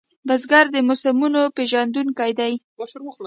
بزګر د موسمو پېژندونکی دی